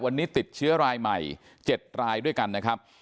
วันนี้ติดเชื้อรายใหม่๗รายด้วยกันนะครับ